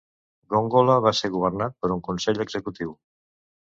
Gongola va ser governat per un Consell Executiu.